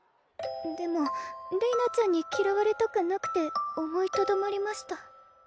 でもれいなちゃんに嫌われたくなくて思いとどまりました。